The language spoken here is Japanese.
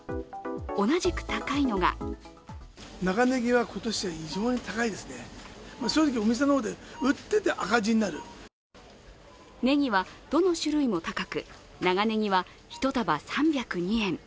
同じく高いのがねぎはどの種類も高く、長ねぎは一束３０２円。